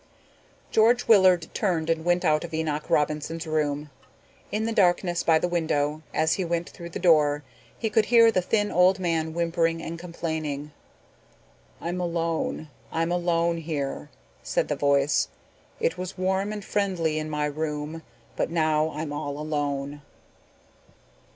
George Willard turned and went out of Enoch Robinson's room. In the darkness by the window, as he went through the door, he could hear the thin old voice whimpering and complaining. "I'm alone, all alone here," said the voice. "It was warm and friendly in my room but now I'm all alone."